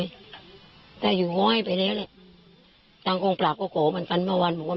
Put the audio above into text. ก็อย่าบอกว่าใครทำเลวก็ไม่บอกความเลวของคนหรอก